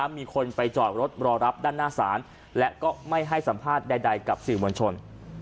มีคนไปจอดรถรอรับด้านหน้าศาลและก็ไม่ให้สัมภาษณ์ใดกับสื่อมวลชน